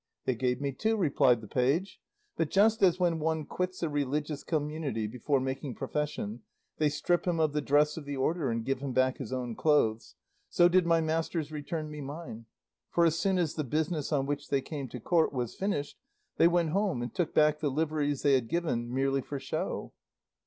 "They gave me two," replied the page; "but just as when one quits a religious community before making profession, they strip him of the dress of the order and give him back his own clothes, so did my masters return me mine; for as soon as the business on which they came to court was finished, they went home and took back the liveries they had given merely for show."